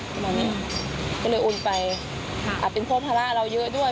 ประมาณนี้ก็เลยโอนไปอ่ะเป็นพ่อพระราชเราเยอะด้วย